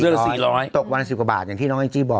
เราตกวันละ๑๐กว่าบาทอย่างที่น้องอิ้งกี้บอก